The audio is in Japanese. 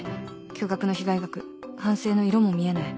巨額の被害額反省の色も見えない